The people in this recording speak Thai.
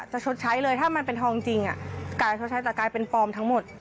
ชดใช้เลยถ้ามันเป็นทองจริงกลายชดใช้แต่กลายเป็นปลอมทั้งหมด